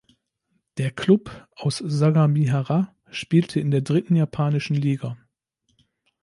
Der Club aus Sagamihara spielte in der dritten japanischen Liga.